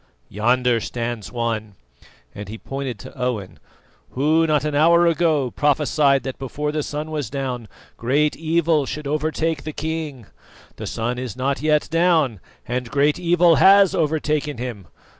Yonder stands one," and he pointed to Owen, "who not an hour ago prophesied that before the sun was down great evil should overtake the king. The sun is not yet down, and great evil has overtaken him.